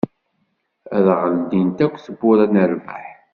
Ad aɣ-d-ldint akk tewwura n rrbeḥ.